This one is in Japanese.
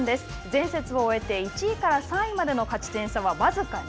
前節を終えて１位から３位までの勝ち点差は僅か２。